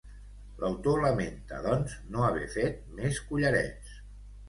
L'autor lamenta doncs no haver fet més collarets